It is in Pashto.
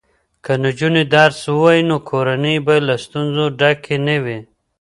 که نجونې درس ووایي نو کورنۍ به له ستونزو ډکه نه وي.